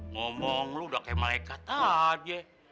ngomong lu udah kayak malaikat aja